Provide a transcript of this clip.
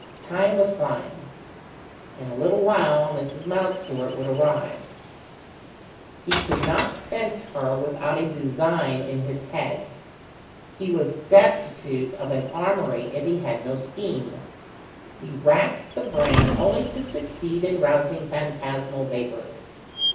Time was flying. In a little while Mrs. Mountstuart would arrive. He could not fence her without a design in his head; he was destitute of an armoury if he had no scheme: he racked the brain only to succeed in rousing phantasmal vapours.